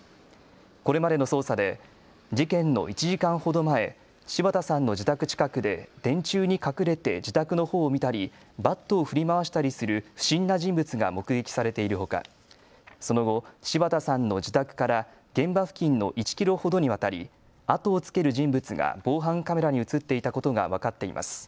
これまでの捜査で事件の１時間ほど前、柴田さんの自宅近くで電柱に隠れて自宅のほうを見たりバットを振り回したりする不審な人物が目撃されているほか、その後、柴田さんの自宅から現場付近の１キロほどにわたり後をつける人物が防犯カメラに写っていたことが分かっています。